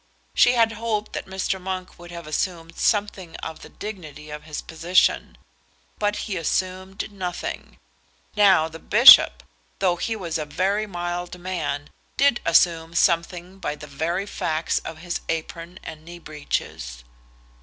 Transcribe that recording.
She had hoped that Mr. Monk would have assumed something of the dignity of his position; but he assumed nothing. Now the bishop, though he was a very mild man, did assume something by the very facts of his apron and knee breeches.